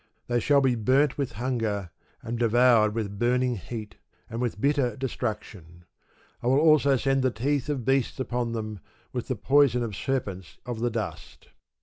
They shall be burnt with hunger, and devoured with burning heat, and with bitter destruction: I will also send the teeth of beasts upon them, with the poison of serpents of the dust.